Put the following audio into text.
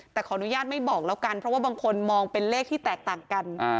แต่ขออนุญาตไม่บอกแล้วกันเพราะว่าบางคนมองเป็นเลขที่แตกต่างกัน